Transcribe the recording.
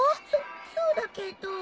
そそうだけど。